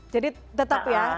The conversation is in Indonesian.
jadi tetap ya